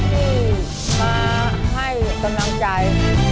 ที่มาให้กำลังใจ